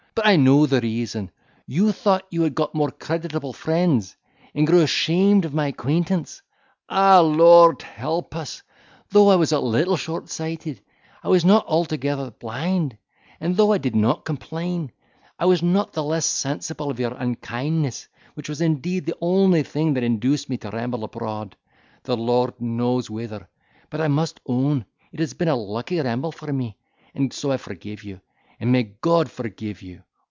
—but I know the reason—you thought you had got more creditable friends, and grew ashamed of my acquaintance. Ah! Lord help us! though I was a little short sighted, I was not altogether blind: and though I did not complain, I was not the less sensible of your unkindness, which was indeed the only thing that induced me to ramble abroad, the Lord knows whither; but I must own it has been a lucky ramble for me, and so I forgive you, and may God forgive you!